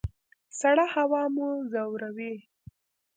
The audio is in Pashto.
سړه هوا مو ځوروي؟